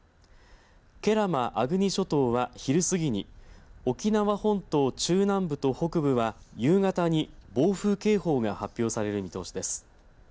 慶良間、粟國諸島は昼過ぎに沖縄本島中南部と北部は夕方に暴風警報が発表される見通しです。